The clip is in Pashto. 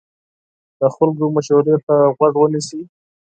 د خلکو مشورې ته غوږ ونیسئ.